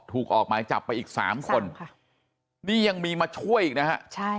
ถูกออกมาจับไปอีก๓คนซามค่ะนี่ยังมีมาช่วยอีกนะฮะใช่